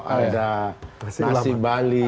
ada nasi bali